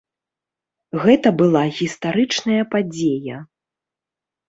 Гэта была гістарычная падзея.